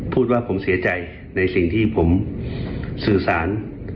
พูดว่าผมเสียใจในสิ่งที่ผมสื่อสาร